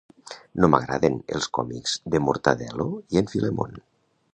No m'agraden els còmics de Mortadelo i en Filemón